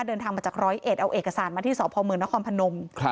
เดินทางมาจากร้อยเอ็ดเอาเอกสารมาที่สพมนครพนม